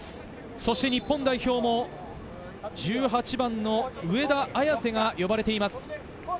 そして日本代表も１８番の上田綺世が呼ばれています。